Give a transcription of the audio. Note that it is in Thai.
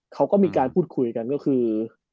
เขาก็มีการพูดคุยกันก็คือ